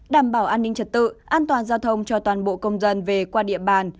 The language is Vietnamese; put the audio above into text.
đảm bảo an ninh trật tự an toàn giao thông cho toàn bộ công dân về qua địa bàn